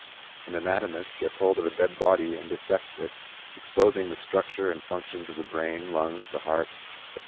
An anatomist gets hold of a dead body and dissects it exposing the structure and functions of the brain, the lungs, the heart, etc.